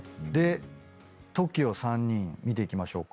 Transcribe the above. ＴＯＫＩＯ３人見ていきましょうか。